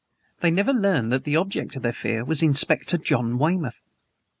They never learned that the object of their fear was Inspector John Weymouth.